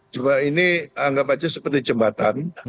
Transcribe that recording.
cuma ini anggap aja seperti jembatan